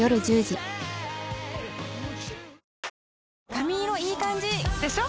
髪色いい感じ！でしょ？